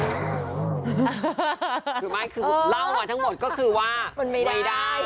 คือไม่คือเล่ามาทั้งหมดก็คือว่ามันไม่ได้